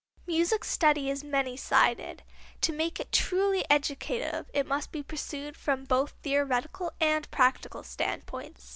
Music study is many sided. To make it truly educative it must be pursued from both theoretical and practical standpoints.